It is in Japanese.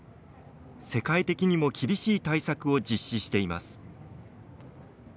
世界的にも厳しい対策を実施しています。